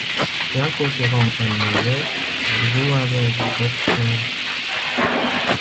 Flaco se rend à New York et joue avec Dr.